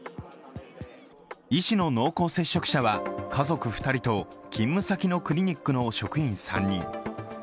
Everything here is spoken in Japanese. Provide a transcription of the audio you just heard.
医師の濃厚接触者は家族２人と勤務先のクリニックの職員３人。